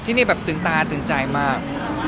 ที่นี่แบบตึงตาตึงใจมาก